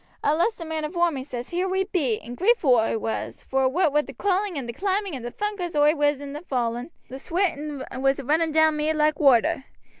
At last the man avore me says, 'Here we be!' and grateful oi was, vor what wi' the crawling and the climbing, and the funk as oi was in o' falling, the swaat was a running down me loike water.